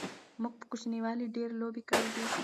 موږ په کوچنیوالی ډیری لوبی کړی دی